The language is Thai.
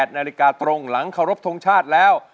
นาฬิกาตรงหลังเคารพทงชาติแล้ว